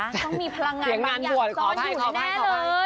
ต้องมีพลังงานบางอย่างซ่อนอยู่แน่เลย